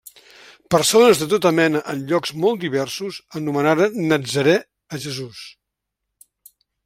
Persones de tota mena en llocs molt diversos anomenaren natzarè a Jesús.